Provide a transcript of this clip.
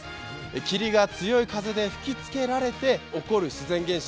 霧が強い風で吹きつけられて起こる自然現象。